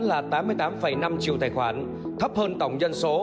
là tám mươi tám năm triệu tài khoản thấp hơn tổng dân số